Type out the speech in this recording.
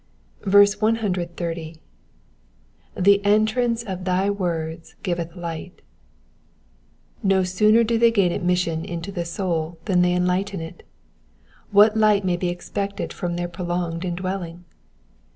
130. ^^The entrance of thy woi'ds giveth lighW'* No sooner do they gain admission into the soul than they enlighten it : what light may be ex pected from their prolonged indwelling